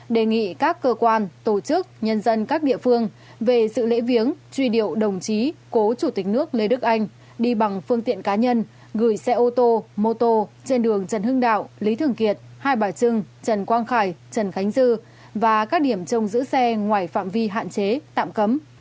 đề nghị các cơ quan tổ chức nhân dân các địa phương về sự lễ viếng truy điệu đồng chí cố chủ tịch nước lê đức anh đi bằng phương tiện cá nhân gửi xe ô tô mô tô trên đường trần hưng đạo lý thường kiệt hai bà trưng trần quang khải trần khánh dư và các điểm trong giữ xe ngoài phạm vi hạn chế tạm cấm